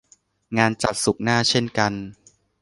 งานจัดศุกร์หน้าเช่นกัน